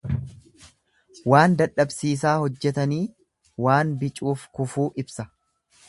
Waan dadhabsiisaa hojjetanii waan bicuuf kufuu ibsa.